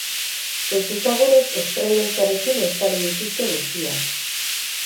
Ezezagunek esprai beltzarekin estali dituzte guztiak.